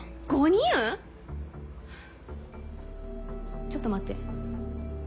５人⁉ちょっと待って。